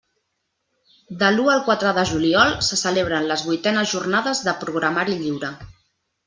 De l'u al quatre de juliol se celebren les vuitenes Jornades de Programari Lliure.